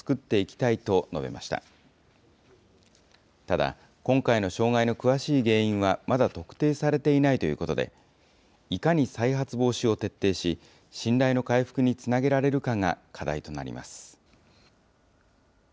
ただ、今回の障害の詳しい原因はまだ特定されていないということで、いかに再発防止を徹底し、信頼の回復につなげられるかが課題となります。